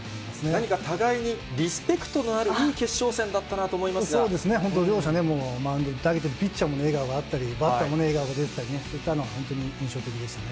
何か互いにリスペクトのあるそうですね、本当、両者ね、マウンドで投げてるピッチャーであったり、バッターもね、笑顔が出てたりね、そういったのが本当に印象的でしたね。